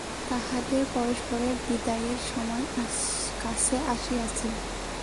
তাঁহাদের পরস্পরের বিদায়ের সময় কাছে আসিয়াছে।